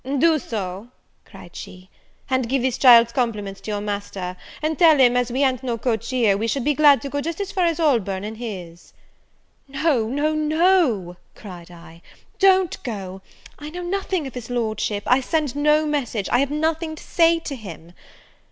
"Do so," cried she; "and give this child's compliments to your master; and tell him, as we ha'n't no coach here, we should be glad to go just as far as Holborn in his." "No, no, no!" cried I; "don't go, I know nothing of his Lordship, I send no message, I have nothing to say to him!"